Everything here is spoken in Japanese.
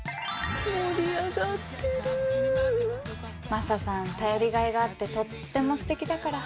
マサさん頼りがいがあってとってもすてきだから。